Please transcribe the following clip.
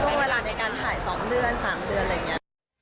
ใช้เวลาในการถ่าย๒เดือน๓เดือนอะไรอย่างนี้